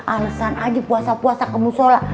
alasan aja puasa puasa kamu sholat